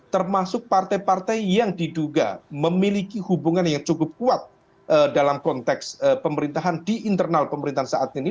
termasuk partai partai yang diduga memiliki hubungan yang cukup kuat dalam konteks pemerintahan di internal pemerintahan saat ini